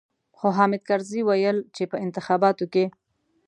خو حامد کرزي ويل چې په انتخاباتو کې.